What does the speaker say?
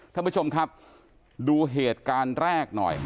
ท่านผู้ชมครับดูเหตุการณ์แรกหน่อย